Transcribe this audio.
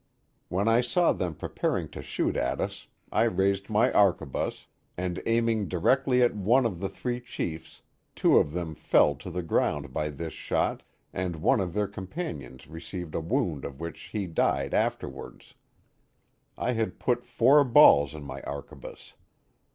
When I saw them preparing to shoot at us, I raised my arquebus, and aiming directly at one of the three chiefs, two of them fell to the ground by this shot and one of their companions received a wound of which he died afterwards. I had put four balls in my arquebus.